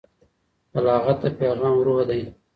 بلاغت د پیغام روح دی.